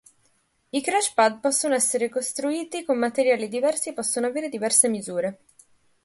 I crash pad possono essere costruiti con materiali diversi e possono avere diverse misure.